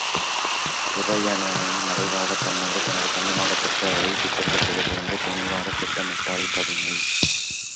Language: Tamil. உதயணனை மறைவாகத் தன்னோடு தனது கன்னி மாடத்திற்கே அழைத்துச் சென்று விடுவது என்று துணிவாகத் திட்டமிட்டாள் பதுமை.